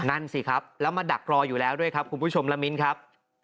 นั่นสิครับแล้วมาดักรออยู่แล้วด้วยครับคุณผู้ชมละมิ้นครับ